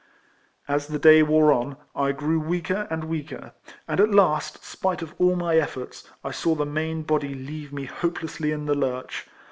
As the day wore on, I grew weaker and weaker ; and at last, spite of all my efforts, I saw the main body leave me hopelessly in the lurch.